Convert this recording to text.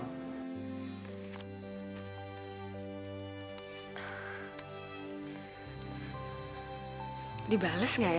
aku ingin menangkapmu